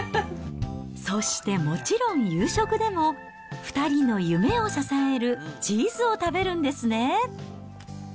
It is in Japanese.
そしてもちろん、夕食でも、２人の夢を支えるチーズを食べるんですね。